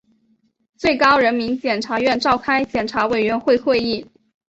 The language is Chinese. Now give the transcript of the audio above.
最高人民检察院召开检察委员会会议